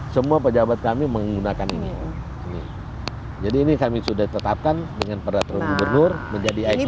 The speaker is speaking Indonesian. semua pejabat kami menggunakan ini jadi ini kami sudah tetapkan dengan peraturan gubernur menjadi ikon